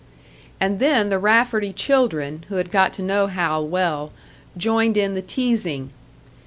And then the Rafferty children, who had got to know Hal well, joined in the teasing.